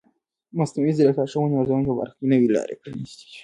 مصنوعي ځیرکتیا د ښوونې او روزنې په برخه کې نوې لارې پرانیستې دي.